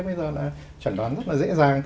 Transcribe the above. bây giờ là chuẩn đoán rất là dễ dàng